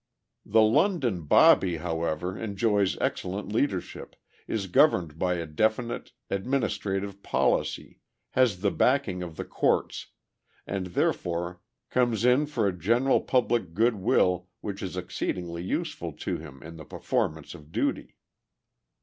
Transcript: The London "bobby," however, enjoys excellent leadership, is governed by a definite administrative policy, has the backing of the courts, and therefore comes in for a general public good will which is exceedingly useful to him in the performance of duty.